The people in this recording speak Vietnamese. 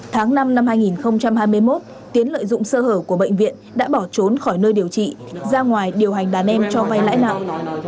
tháng năm năm hai nghìn hai mươi một tiến lợi dụng sơ hở của bệnh viện đã bỏ trốn khỏi nơi điều trị ra ngoài điều hành đàn em cho vay lãi nặng